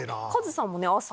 カズさんもね朝。